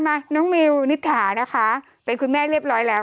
มาน้องมิวนิษฐานะคะเป็นคุณแม่เรียบร้อยแล้ว